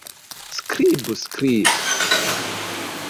Skribu! Skribu!